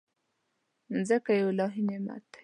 مځکه یو الهي نعمت دی.